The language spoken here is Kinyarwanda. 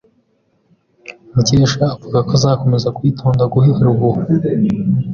Mukesha avuga ko azakomeza kwitonda guhera ubu.